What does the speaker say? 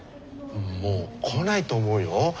もう来ないと思うよ。